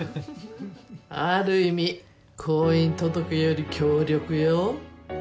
ある意味婚姻届より強力よ。